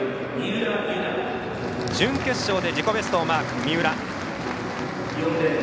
準決勝で自己ベストをマーク三浦。